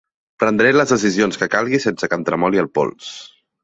Prendré les decisions que calgui sense que em tremoli el pols.